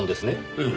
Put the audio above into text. ええ。